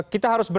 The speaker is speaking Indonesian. kita harus beri